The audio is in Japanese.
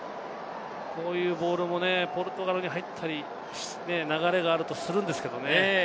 こういうボールもポルトガルに入ったり、流れがあるとするんですけれどもね。